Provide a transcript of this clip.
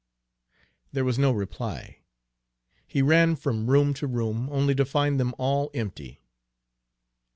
There was no reply. He ran from room to room, only to find them all empty.